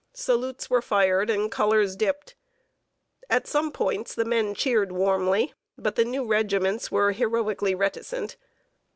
Salutes were fired and colors dipped. At some points, the men cheered warmly, but the new regiments were "heroically reticent."